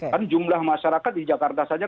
kan jumlah masyarakat di jakarta saja